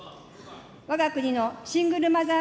わが国のシングルマザー